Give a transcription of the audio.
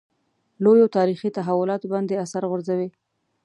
لویو تاریخي تحولاتو باندې اثر غورځوي.